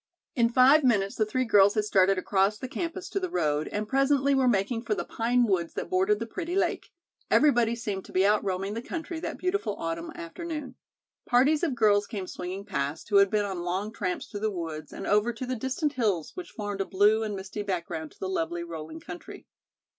In five minutes the three girls had started across the campus to the road and presently were making for the pine woods that bordered the pretty lake. Everybody seemed to be out roaming the country that beautiful autumn afternoon. Parties of girls came swinging past, who had been on long tramps through the woods and over to the distant hills which formed a blue and misty background to the lovely rolling country.